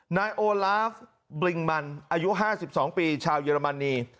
นายโอลาฟบลิงมันอายุห้าสิบสองปีชาวเยอรมนี